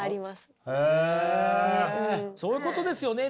そういうことですよね。